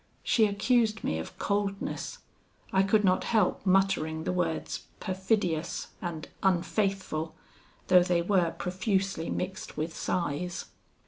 She accused me of coldness. I could not help muttering the words perfidious and unfaithful, though they were profusely mixed with sighs.